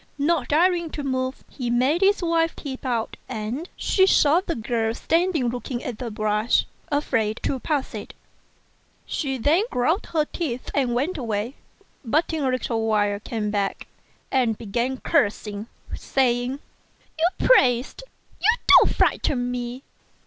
Not daring to move, he made his wife peep out; and she saw the girl standing looking at the brush, afraid to pass it. She then ground her teeth and went away; but in a little while came back, and began cursing, saying, "You priest, you won't frighten me.